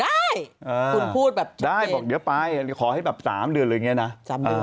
ได้คุณพูดแบบได้บอกเดี๋ยวไปขอให้แบบ๓เดือนอะไรอย่างนี้นะ